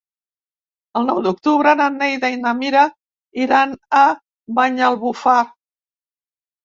El nou d'octubre na Neida i na Mira iran a Banyalbufar.